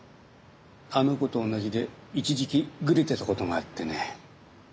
あの子とおんなじで一時期グレてたことがあってね。